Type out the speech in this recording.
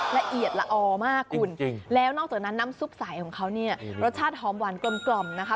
ละเอียดละอออ๐หมากคุณแล้วนอกจากนั้นน้ำซุปใสของเขานี่รสชาติหอมวานกล่ำนะคะ